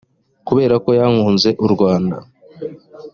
kubera ko yankunze u rwanda